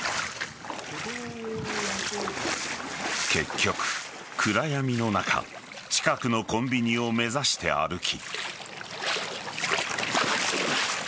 結局、暗闇の中近くのコンビニを目指して歩き。